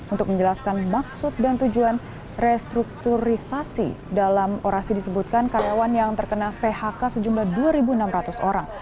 untuk menjelaskan maksud dan tujuan restrukturisasi dalam orasi disebutkan karyawan yang terkena phk sejumlah dua enam ratus orang